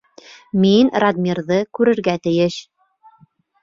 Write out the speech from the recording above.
Мин Радмирҙы күрергә тейеш!